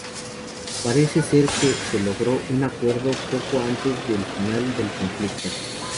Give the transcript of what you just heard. Parece ser que se logró un acuerdo poco antes del final del conflicto.